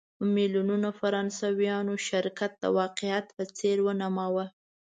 میلیونونو فرانسویانو شرکت د واقعیت په څېر ومانه.